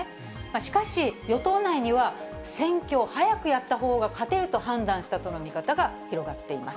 しかし、与党内には、選挙を早くやったほうが勝てると判断したとの見方が広がっています。